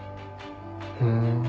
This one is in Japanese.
ふん。